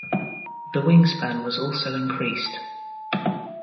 The wingspan was also increased.